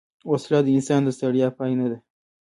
وسله د انسان د ستړیا پای نه ده